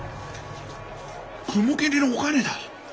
雲霧のおかねだ。